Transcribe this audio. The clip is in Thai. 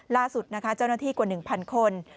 ล่าสุดนะคะเจ้าหน้าที่กว่า๑๐๐คน